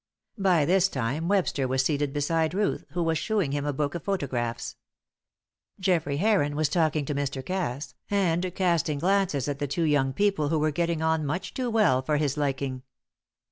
By this time Webster was seated beside Ruth, who was shewing him a book of photographs. Geoffrey Heron was talking to Mr. Cass, and casting glances at the two young people who were getting on much too well for his liking.